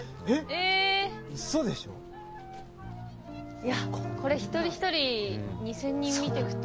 いやこれ一人一人２，０００人見てくと。